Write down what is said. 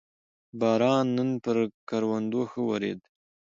باران نن پر کروندو ښه ورېد